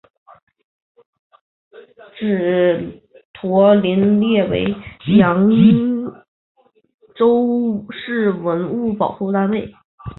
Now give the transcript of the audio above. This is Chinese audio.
祗陀林列为扬州市文物保护单位。